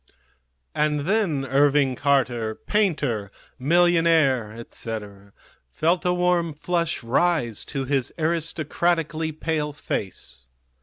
And then Irving Carter, painter, millionaire, etc., felt a warm flush rise to his aristocratically pale face.